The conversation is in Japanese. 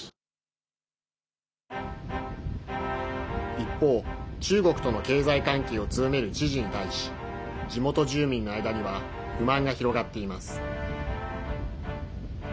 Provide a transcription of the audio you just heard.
一方、中国との経済関係を強める知事に対し地元住民の間には不満が広がっています。